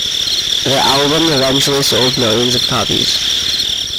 The album eventually sold millions of copies.